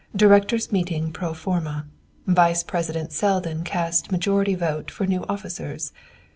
Directors' meeting pro forma. Vice President Selden cast majority vote for new officers.